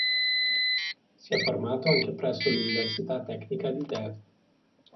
Si è formato anche presso l'Università tecnica di Delft.